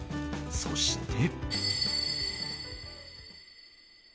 そして。